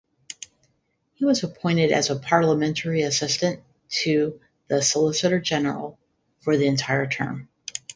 He was appointed as a parliamentary assistant to the Solicitor-General for the entire term.